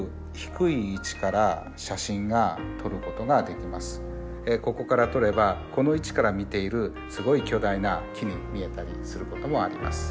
でも今回ここから撮ればこの位置から見ているすごい巨大な木に見えたりすることもあります。